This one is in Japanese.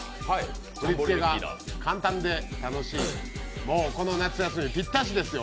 振り付けが簡単で楽しいんでこの夏休みにぴったしですよ。